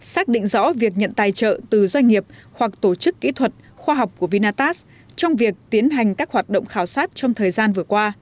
xác định rõ việc nhận tài trợ từ doanh nghiệp hoặc tổ chức kỹ thuật khoa học của vinatast trong việc tiến hành các hoạt động khảo sát trong thời gian vừa qua